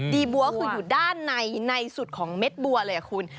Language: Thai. บัวคืออยู่ด้านในในสุดของเม็ดบัวเลยคุณ